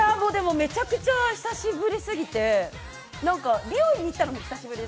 めちゃくちゃ久しぶりすぎて、美容院に行ったのも久しぶりで、